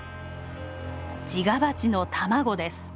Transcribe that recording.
ジガバチの卵です。